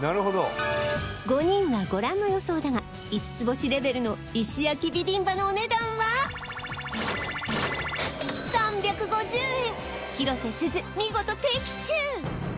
なるほど５人はご覧の予想だが五つ星レベルの石焼ビビンバのお値段は広瀬すず見事的中！